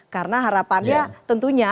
karena harapannya tentunya